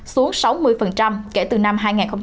xuống sáu mươi kể từ năm hai nghìn một mươi